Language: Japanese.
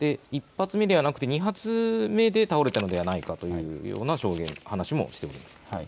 １発目ではなく２発目で倒れたのではないかというような証言、話もしていました。